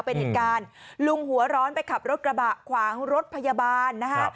เป็นเหตุการณ์ลุงหัวร้อนไปขับรถกระบะขวางรถพยาบาลนะฮะ